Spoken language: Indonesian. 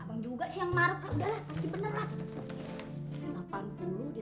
lah abang juga sih yang marut kak